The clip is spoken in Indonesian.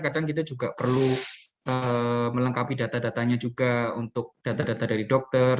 kadang kita juga perlu melengkapi data datanya juga untuk data data dari dokter